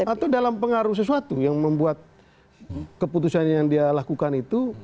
atau dalam pengaruh sesuatu yang membuat keputusan yang dia lakukan itu